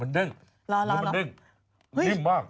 เหมือนไก่นุ่มใช่ไหม